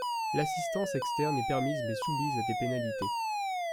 L'assistance externe est permise mais soumise à des pénalités.